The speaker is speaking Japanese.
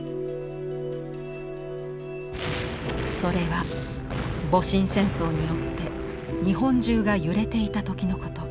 それは戊辰戦争によって日本中が揺れていた時のこと。